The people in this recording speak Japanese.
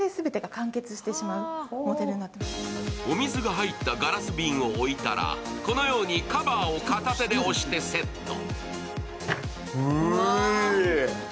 お水が入ったガラス瓶を置いたらこのようにカバーを片手で押してセット。